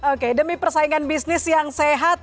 oke demi persaingan bisnis yang sehat